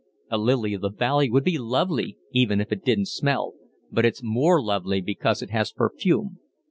A lily of the valley would be lovely even if it didn't smell, but it's more lovely because it has perfume.